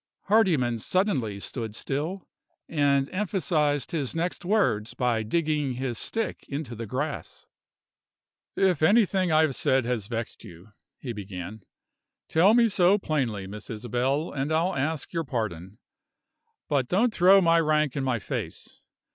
Hardyman suddenly stood still, and emphasized his next words by digging his stick into the grass. "If anything I have said has vexed you," he began, "tell me so plainly, Miss Isabel, and I'll ask your pardon. But don't throw my rank in my face.